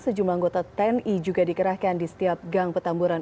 sejumlah anggota tni juga dikerahkan di setiap gang petamburan